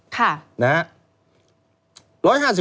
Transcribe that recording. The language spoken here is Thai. ค่ะ